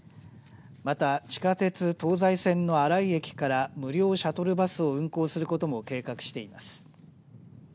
また地下鉄東西線の荒井駅から無料シャトルバスを運行することも計画しています。